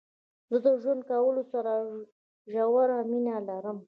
زه د ژوند کولو سره ژوره مينه لرم.